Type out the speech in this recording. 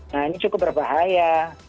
nah ini cukup berbahaya